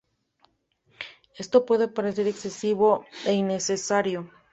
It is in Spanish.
Esto puede parecer excesivo e innecesario.